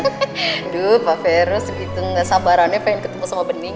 aduh pak vero segitu gak sabarannya pengen ketemu sama bening